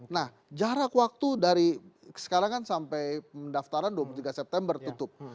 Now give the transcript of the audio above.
nah jarak waktu dari sekarang kan sampai pendaftaran dua puluh tiga september tutup